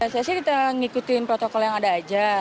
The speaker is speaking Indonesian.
saya sih kita ngikutin protokol yang ada aja